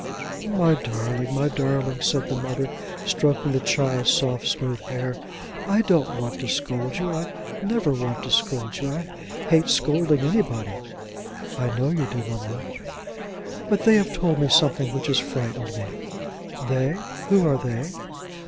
"My darling, my darling," said the mother, stroking her child's soft smooth hair. "I don't want to scold you; I never want to scold you. I hate scolding anybody." "I know you do, mamma." "But they have told me something which has frightened me." "They! who are they?"